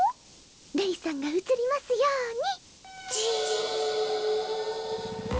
レイさんが映りますように